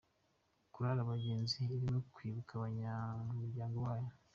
Korali Abagenzi irimo kwibuka abanyamuryango bayo.